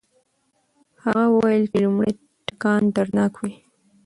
هغه وویل چې لومړی ټکان دردناک وي.